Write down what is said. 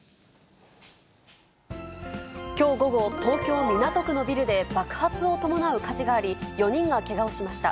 きょう午後、東京・港区のビルで爆発を伴う火事があり、４人がけがをしました。